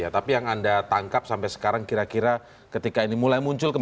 tapi yang anda tangkap sampai sekarang kira kira